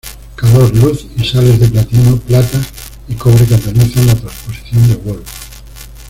Calor, luz, y sales de platino, plata y cobre catalizan la transposición de Wolff.